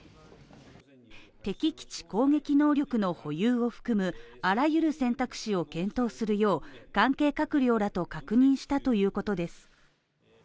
敵基地攻撃能力の保有を含むあらゆる選択肢を検討するよう関係閣僚らと確認したということです。